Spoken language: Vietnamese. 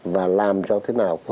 và làm cho thế nào